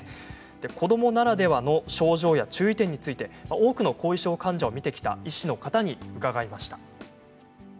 子どもならではの症状や注意点について多くの後遺症患者を診てきた医師の方に伺いました。